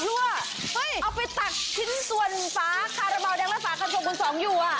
ลุงเอาไปตักขี้ส่วนฟ้าคาราบาวแดงว่าฟ้าคันโซลคุณสองอยู่